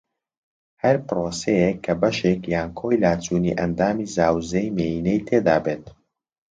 ھەر پرۆسەیەک کە بەشێک یان کۆی لاچوونی ئەندامی زاوزێی مێینەی تێدا بێت